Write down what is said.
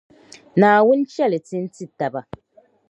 Naawuni chɛli ti n-ti taba.